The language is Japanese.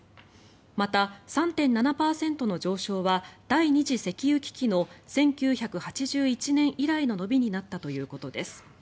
また、３．７％の上昇は第２次石油危機の１９８１年以来の伸びになったということです。